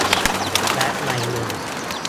และใบเงิน